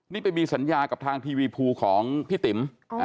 นี่ไปมีสัญญากับทางทีวีภูของพี่ติ๋ม